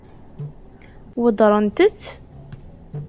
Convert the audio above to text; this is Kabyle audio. Weddṛent-tt?